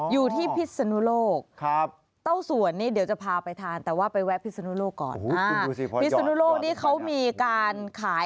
อยู่ที่พิษสนุโลก